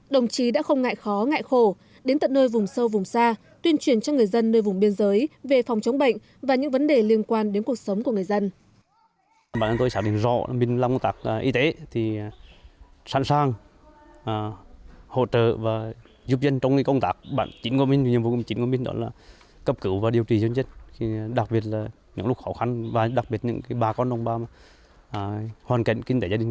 đồng chí đã không ngại khó ngại khổ đến tận nơi vùng sâu vùng xa tuyên truyền cho người dân nơi vùng biên giới về phòng chống bệnh và những vấn đề liên quan đến cuộc sống của người dân